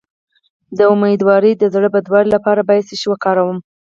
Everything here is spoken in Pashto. د امیدوارۍ د زړه بدوالي لپاره باید څه شی وکاروم؟